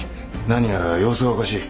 何やら様子がおかしい。